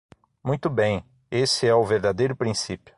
Muito bem! Esse é o verdadeiro princípio.